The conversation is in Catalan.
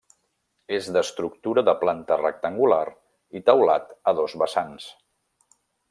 És d'estructura de planta rectangular i teulat a dos vessants.